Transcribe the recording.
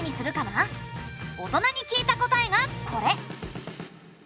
大人に聞いた答えがこれ。